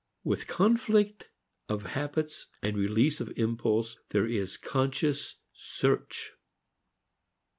With conflict of habits and release of impulse there is conscious search.